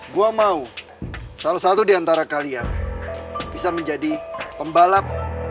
gue mau salah satu diantara kalian bisa menjadi pembalap